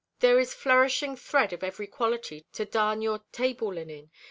There is flourishing thread of every quality to darn your table linen.